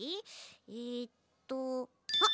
えっとあっ